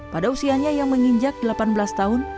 pada usianya yang menginjak delapan belas tahun